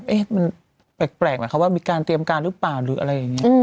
แปลกเหมือนคับว่ามีการเตรียมกันรือเปล่าหรืออะไรอย่างงี้